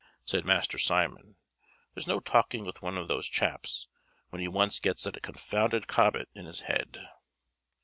said Master Simon; "there's no talking with one of these chaps when he once gets that confounded Cobbett in his head."